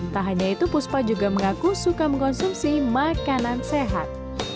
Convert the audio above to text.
tak hanya itu puspa juga mengaku suka mengkonsumsi makanan sehat